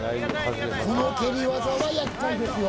この蹴り技はやっかいですよ